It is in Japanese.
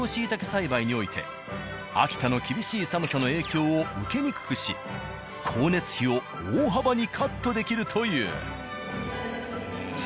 栽培において秋田の厳しい寒さの影響を受けにくくし光熱費を大幅にカットできるという。